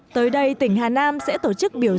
tới đây tỉnh hà nam sẽ tổ chức biểu